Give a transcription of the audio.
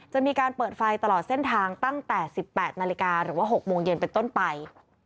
จะมีการเปิดไฟตลอดเส้นทางตั้งแต่๑๘นาฬิกาหรือว่า๖โมงเย็นเป็นต้นไป